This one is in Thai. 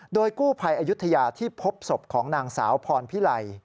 โดยกู้ภัยอายุทยาที่พบศพของนางสาวพรพิไล